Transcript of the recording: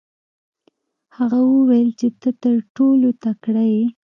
هغه وویل چې ته تر ټولو تکړه یې.